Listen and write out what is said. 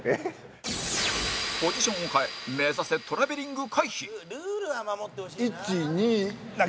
ポジションを替え目指せ、トラベリング回避豊本：１、２、投げ。